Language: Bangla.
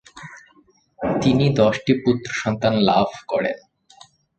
তিনি দশটি পুত্রসন্তান লাভ করেন।